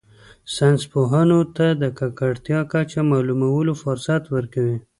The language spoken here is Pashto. ساینس پوهانو ته د ککړتیا کچه معلومولو فرصت ورکوي